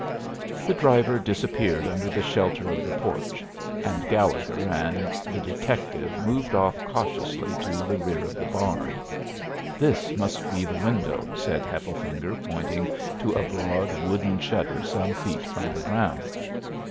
The driver disappeared under the shelter of the porch, and Gallegher and the detective moved off cautiously to the rear of the barn. "This must be the window," said Hefflefinger, pointing to a broad wooden shutter some feet from the ground.